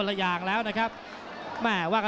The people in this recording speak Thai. น้ำเงินรอโต